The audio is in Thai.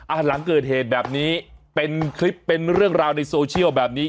หลังเกิดเหตุแบบนี้เป็นคลิปเป็นเรื่องราวในโซเชียลแบบนี้